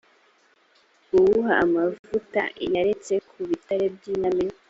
awuha amavuta yaretse ku bitare by’intamenwa.